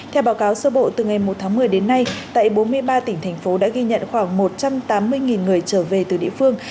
theo báo cáo sơ bộ từ ngày một tháng một mươi đến nay tại bốn mươi ba tỉnh thành phố đã ghi nhận khoảng một trăm tám mươi người trở về từ địa phương